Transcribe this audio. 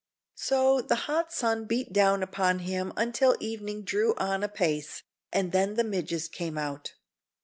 So, the hot sun beat down upon him until evening drew on apace, and then the midges came out.